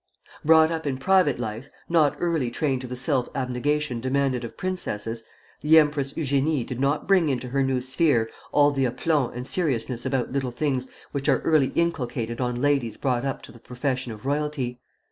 Brought up in private life, not early trained to the self abnegation demanded of princesses, the Empress Eugénie did not bring into her new sphere all the aplomb and seriousness about little things which are early inculcated on ladies brought up to the profession of royalty.